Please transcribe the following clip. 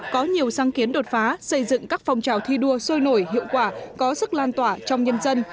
có nhiều sáng kiến đột phá xây dựng các phong trào thi đua sôi nổi hiệu quả có sức lan tỏa trong nhân dân